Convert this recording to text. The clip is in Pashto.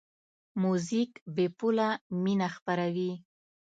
موزیک بېپوله مینه خپروي.